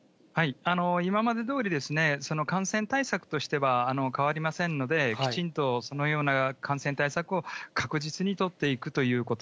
今までどおり、感染対策としては、変わりませんので、きちんとそのような感染対策を確実に取っていくということ。